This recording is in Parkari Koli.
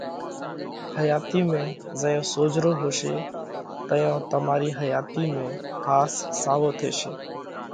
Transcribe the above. حياتِي ۾ زئيون سوجھرو هوشي تئيون تمارِي حياتِي ۾ ۿاس ساوو ٿيشي۔